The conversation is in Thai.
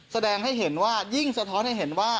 แสดงให้เห็นว่ายิ่งสะท้อนให้เห็นว่า